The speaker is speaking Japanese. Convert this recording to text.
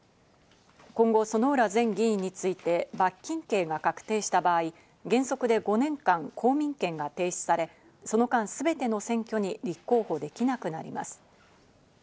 今後、薗浦前議員について罰金刑が確定した場合、原則で５年間、公民権が停止され、その間、すべての選挙に立候補できなくなります。